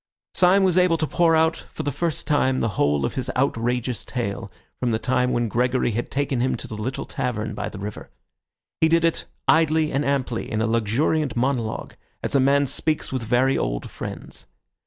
Syme was able to pour out for the first time the whole of his outrageous tale, from the time when Gregory had taken him to the little tavern by the river. He did it idly and amply, in a luxuriant monologue, as a man speaks with very old friends.